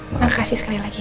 makasih sekali lagi